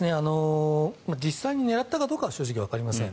実際に狙ったかどうかは正直わかりません。